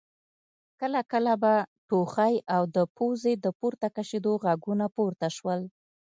کله کله به ټوخی او د پزو د پورته کشېدو غږونه پورته شول.